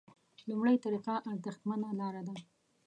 لومړۍ طریقه ارزښتمنه لاره ده.